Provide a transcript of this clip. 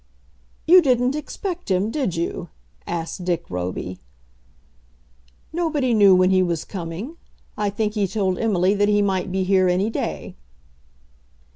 "You didn't expect him, did you?" asked Dick Roby. "Nobody knew when he was coming. I think he told Emily that he might be here any day."